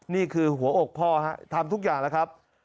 นี่คือหัวอกพ่อทำทุกอย่างแล้วครับ